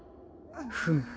フム。